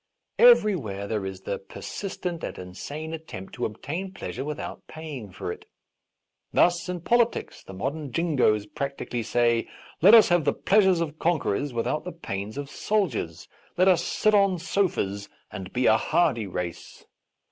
Everywhere there is the persistent and insane attempt to obtain pleasure without paying for it. Thus, in politics the modern Jingoes prac tically say, ^' Let us have the pleasures of conquerors without the pains of soldiers : let us sit on sofas and be a hardy race."